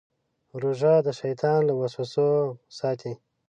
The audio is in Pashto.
روژه د شیطان له وسوسو ساتي.